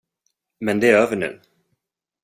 Men det är över nu.